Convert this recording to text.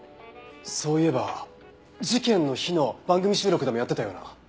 そういえば事件の日の番組収録でもやってたような。